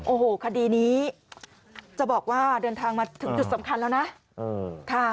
โอ้โหคดีนี้จะบอกว่าเดินทางมาถึงจุดสำคัญแล้วนะ